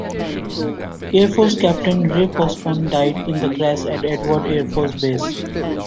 Air Force Captain Ray Popson died in the crash at Edwards Air Force Base.